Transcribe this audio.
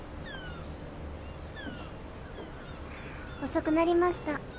・遅くなりました。